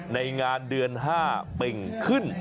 ในงานเดือน๕เป่งขึ้น